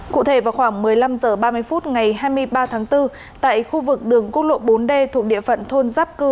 cụ thể vào khoảng một mươi năm h ba mươi phút ngày hai mươi ba tháng bốn tại khu vực đường quốc lộ bốn d thuộc địa phận thôn giáp cư